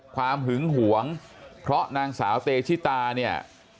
หึงหวงเพราะนางสาวเตชิตาเนี่ย